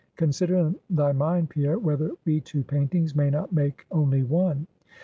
Consider in thy mind, Pierre, whether we two paintings may not make only one.